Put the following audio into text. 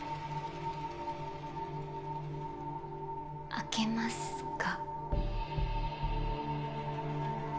開けますか？